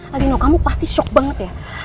adino kamu pasti shock banget ya